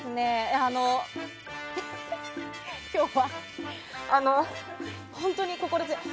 今日は、本当に心強い。